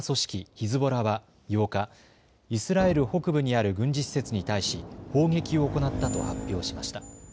ヒズボラは８日、イスラエル北部にある軍事施設に対し砲撃を行ったと発表しました。